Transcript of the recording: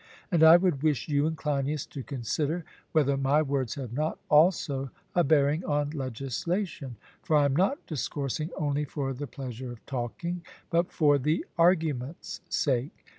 And I would wish you and Cleinias to consider whether my words have not also a bearing on legislation; for I am not discoursing only for the pleasure of talking, but for the argument's sake.